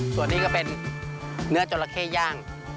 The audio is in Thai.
ส่วนนี้ก็เป็นเนื้อจราเข้ย่าง